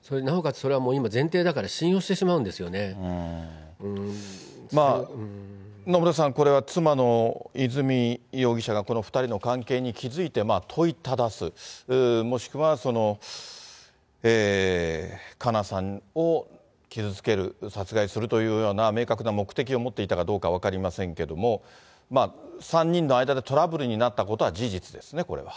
それはもう今、前提だから、信野村さん、これは妻の和美容疑者がこの２人の関係に気付いて問いただす、もしくは花夏さんを傷つける、殺害するというような明確な目的を持っていたかどうか分かりませんけども、３人の間でトラブルになったことは事実ですね、これは。